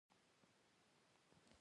هغوی د تعلیم دروازې تړلې پرېښودې.